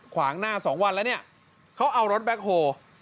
ขวางหน้า๒วันแล้วเนี่ยเขาเอารถแบ็คโฮล์